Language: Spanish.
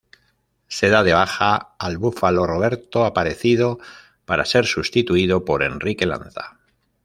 Se da de baja al "Búfalo" Roberto Aparecido para ser sustituido por Enrique Lanza.